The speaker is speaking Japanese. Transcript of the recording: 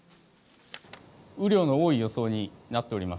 雨量の多い予想になっていま